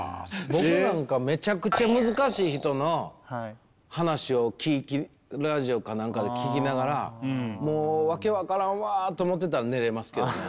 僕なんかめちゃくちゃ難しい人の話を聴きラジオかなんかで聴きながらもう訳分からんわと思ってたら寝れますけど。